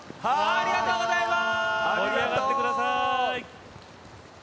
ありがとうございます。